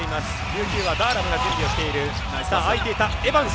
琉球はダーラムが準備をしている。